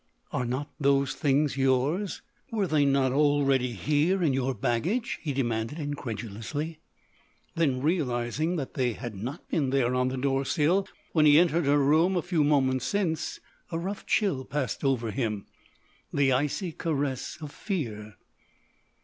"Are not those things yours? Were they not already here in your baggage?" he demanded incredulously. Then, realising that they had not been there on the door sill when he entered her room a few moments since, a rough chill passed over him—the icy caress of fear.